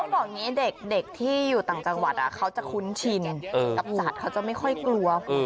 บอกอย่างนี้เด็กที่อยู่ต่างจังหวัดเขาจะคุ้นชินกับสัตว์เขาจะไม่ค่อยกลัว